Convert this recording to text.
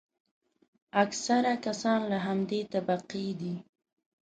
اکثره کسان له همدې طبقې دي.